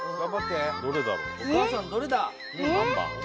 お母さんどれだ？